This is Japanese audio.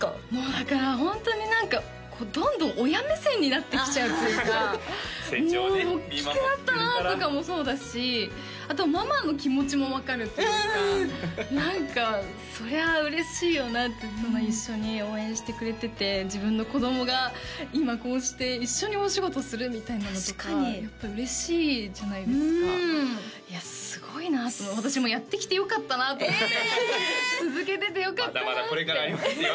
だからホントに何かどんどん親目線になってきちゃうというかもうおっきくなったなとかもそうだしあとママの気持ちも分かるというか何かそりゃ嬉しいよなって一緒に応援してくれてて自分の子供が今こうして一緒にお仕事するみたいなのとかやっぱり嬉しいじゃないですかいやすごいなと私もやってきてよかったなと思って続けててよかったなってまだまだこれからありますよ